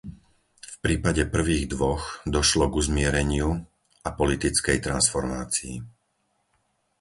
V prípade prvých dvoch došlo k uzmiereniu a politickej transformácii.